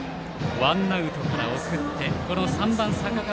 ワンアウトから送って３番、坂川。